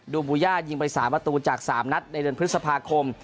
ดูบุญญาติยิงไปสายประตูจากสามนัดในเดือนพฤษภาคม